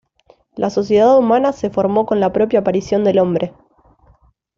La sociedad humana se formó con la propia aparición del hombre.